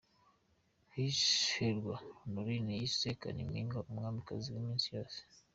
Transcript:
Miss Hirwa Honorine yise Kalimpinya umwamikazi w’iminsi yose.